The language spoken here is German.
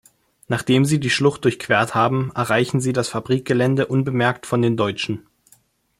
Nachdem sie die Schlucht durchquert haben, erreichen sie das Fabrikgelände unbemerkt von den Deutschen.